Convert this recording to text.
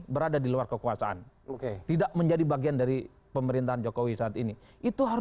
berada di luar kekuasaan oke tidak menjadi bagian dari pemerintahan jokowi saat ini itu harus